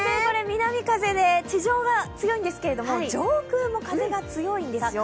南風で地上は強いんですけれども、上空も風が強いんですよ。